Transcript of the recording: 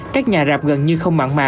các nhà rạp gần như không mạng mà